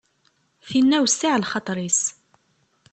Tinna wessiε lxaṭer-is.